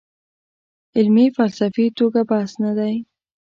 علمي فلسفي توګه بحث نه دی.